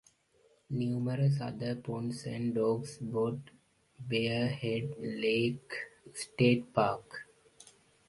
Numerous other ponds and bogs dot Bear Head Lake State Park.